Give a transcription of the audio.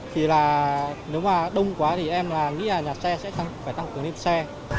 thì là nếu mà đông quá thì em là nghĩ là nhà xe sẽ phải tăng cường lên xe